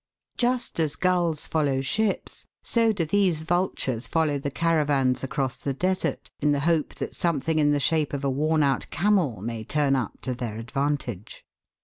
Just as gulls follow ships, so do these vultures follow EGYPTIAN VULTURES. 235 the caravans across the desert, in the hope that something in the shape of a worn out camel may turn up to their advantage.